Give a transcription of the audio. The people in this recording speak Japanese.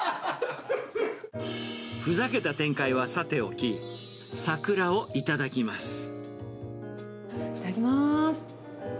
ふざけた展開はさておき、いただきます。